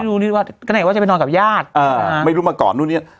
ว่าก็ไหนว่าจะไปนอนกับญาติอ่าไม่รู้มาก่อนนู่นเนี้ย